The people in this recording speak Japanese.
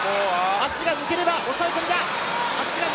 足が抜ければ抑え込みだ。